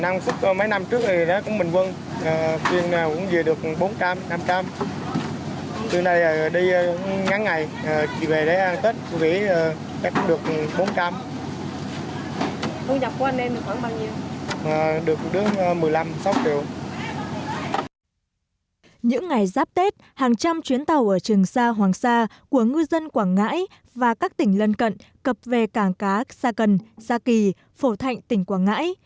những ngày giáp tết hàng trăm chuyến tàu ở trường xa hoàng sa của ngư dân quảng ngãi và các tỉnh lân cận cập về cảng cá xa cần gia kỳ phổ thạnh tỉnh quảng ngãi